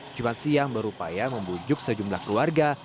jumat siang berupaya membujuk sejumlah keluarga